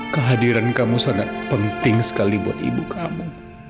kehadiran kamu sangat penting sekali buat ibu kamu